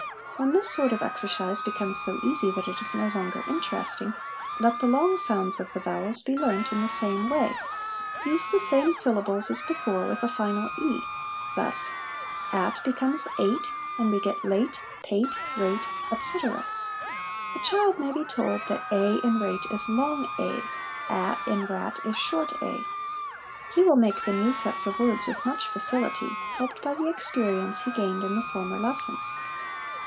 When this sort of exercise becomes so easy that it is no longer interesting, let the long sounds of the vowels be learnt in the same way : use the same syllables as before with a final e\ thus, 'at' becomes 'ate,' LESSONS AS INSTRUMENTS OF EDUCATION 203 and we get late, pate, rate, etc. The child may be told that a in * rate' is long a; a in ' rat* is short a. He will make the new sets of words with much facility, helped by the experience he gained in the former lessons.